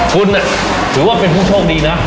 คุณถือว่าเป็นผู้โชคดีนะ